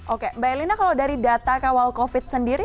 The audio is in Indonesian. oke mbak elina kalau dari data kawal covid sendiri